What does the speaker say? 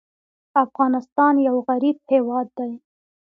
افغانستان یو غریب هېواد دی.